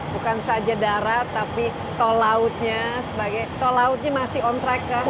bukan saja darat tapi tol lautnya sebagai tol lautnya masih on track kan